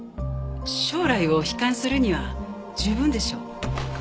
将来を悲観するには十分でしょ？